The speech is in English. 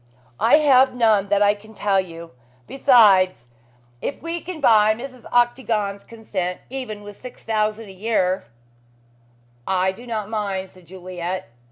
"I have none that I can tell you. Besides, if we can buy Mrs. Octagon's consent with even six thousand a year " "I do not mind," said Juliet.